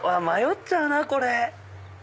迷っちゃうなぁこれ。